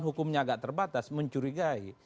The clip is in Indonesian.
hukumnya agak terbatas mencurigai